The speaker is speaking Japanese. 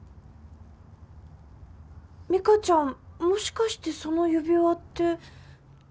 美香ちゃんもしかしてその指輪って。